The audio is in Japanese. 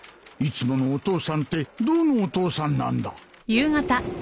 いつものお父さんってどのお父さんなんだ